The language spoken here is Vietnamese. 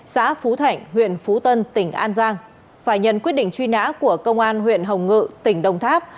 xã phú thảnh huyền phú tân tỉnh an giang phải nhận quyết định truy nã của công an huyền hồng ngự tỉnh đông tháp